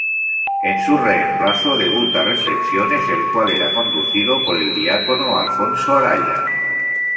En su reemplazo, debuta "Reflexiones", el cual era conducido por el diácono Alfonso Araya.